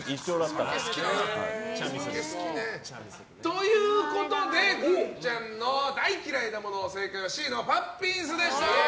お酒、好きね。ということでグンちゃんの大嫌いなもの正解はＣのパッピンスでした！